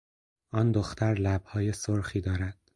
آن دختر لبهای سرخی دارد.